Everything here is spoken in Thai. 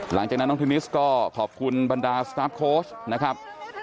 หลังจากนั้นน้องเทนนิสก็ขอบคุณบรรดาสตาร์ฟโค้ชนะครับ